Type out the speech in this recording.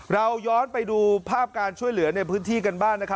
เราย้อนไปดูภาพการช่วยเหลือในพื้นที่กันบ้างนะครับ